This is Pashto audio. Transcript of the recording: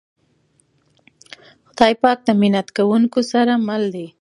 خدای پاک د محنت کونکو سره مل دی.